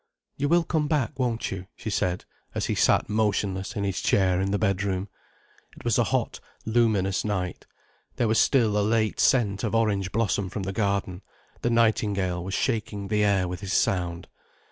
"You will come back, won't you?" she said, as he sat motionless in his chair in the bedroom. It was a hot, luminous night. There was still a late scent of orange blossom from the garden, the nightingale was shaking the air with his sound.